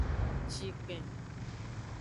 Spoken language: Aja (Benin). Zinkpen.